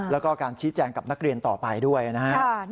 แล้วก็การชี้แจงกับนักเรียนต่อไปด้วยนะครับ